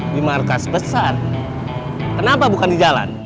di markas besar kenapa bukan di jalan